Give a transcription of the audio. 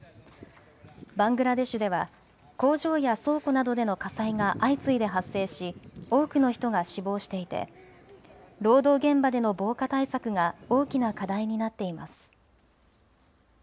バングラデシュでは工場や倉庫などでの火災が相次いで発生し多くの人が死亡していて労働現場での防火対策が大きな課題になっています。